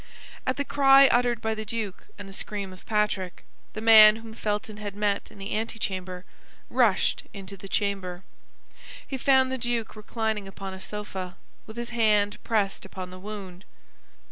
At the cry uttered by the duke and the scream of Patrick, the man whom Felton had met in the antechamber rushed into the chamber. He found the duke reclining upon a sofa, with his hand pressed upon the wound.